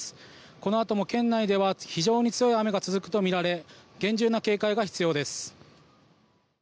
このあとも県内では非常に強い雨が続くとみられ厳重な警戒が必要です。